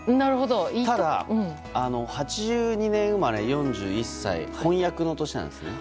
ただ、８２年生まれ４１歳本厄の年なんですね。